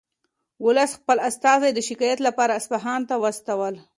ولس خپل استازي د شکایت لپاره اصفهان ته واستول.